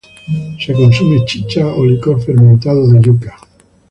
Se consume chicha o licor fermentado de yuca.